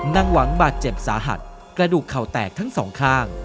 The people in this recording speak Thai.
หวังบาดเจ็บสาหัสกระดูกเข่าแตกทั้งสองข้าง